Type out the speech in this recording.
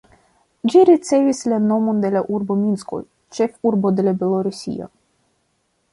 Ĝi ricevis la nomon de la urbo Minsko, ĉefurbo de Belorusio.